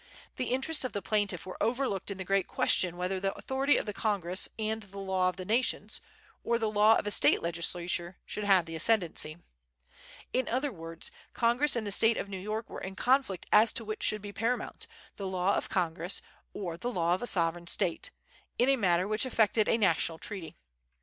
The interests of the plaintiff were overlooked in the great question whether the authority of Congress and the law of nations, or the law of a State legislature, should have the ascendency. In other words, Congress and the State of New York were in conflict as to which should be paramount, the law of Congress, or the law of a sovereign State, in a matter which affected a national treaty.